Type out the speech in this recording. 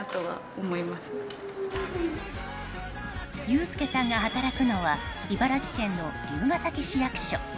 裕介さんが働くのは茨城県の龍ケ崎市役所。